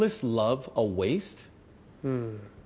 うん。